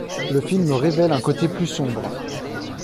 Le film révèle un côté plus sombre.